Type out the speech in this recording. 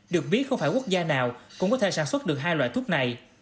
được biết không phải quốc gia nào cũng có thể sản xuất được hai loại thuốc này